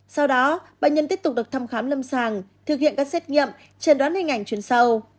sau đó bệnh nhân tiếp tục được thăm khám lâm sàng thực hiện các xét nghiệm trần đoán hình ảnh truyền sâu